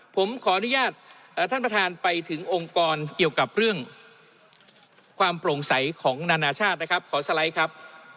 ผมขออนุญาตท่านประธานไปถึงองค์กรเกี่ยวกับเรื่องความโปร่งใสของนานาชาตินะครับขอสไลด์ครับ